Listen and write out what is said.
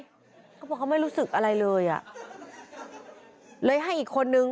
เขาบอกเขาไม่รู้สึกอะไรเลยอ่ะเลยให้อีกคนนึง